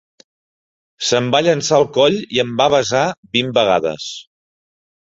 Se'm va llançar al coll i em va besar vint vegades.